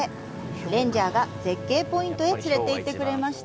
レンジャーが絶景ポイントへ連れて行ってくれました。